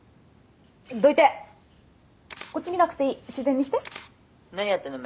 どいてこっち見なくていい自然にして「何やってんの？